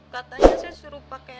katanya saya suruh pakai